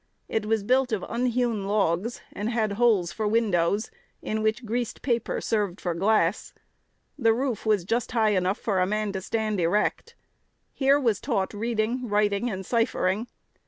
It was built of unhewn logs, and had "holes for windows," in which "greased paper" served for glass. The roof was just high enough for a man to stand erect. Here he was taught reading, writing, and ciphering.